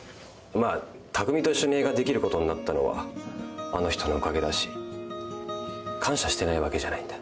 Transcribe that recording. まあ匠と一緒に映画できることになったのはあの人のおかげだし感謝してないわけじゃないんだ。